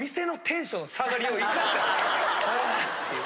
「あ」っていう。